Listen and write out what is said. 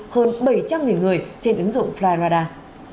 hơn bảy trăm linh người trên ứng dụng flyradar